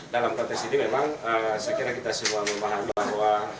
dalam konteks ini memang saya kira kita semua memahami bahwa